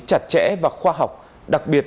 chặt chẽ và khoa học đặc biệt